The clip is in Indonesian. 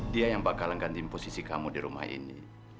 dia yang bakalan gantiin posisi kamu di rumah ini